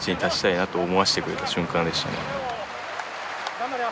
頑張れよ。